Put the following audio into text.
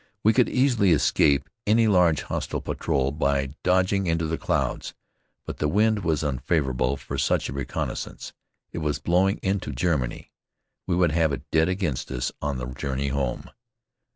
We could easily escape any large hostile patrol by dodging into the clouds. But the wind was unfavorable for such a reconnaissance. It was blowing into Germany. We would have it dead against us on the journey home.